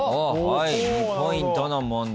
２ポイントの問題。